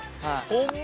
ホンマ？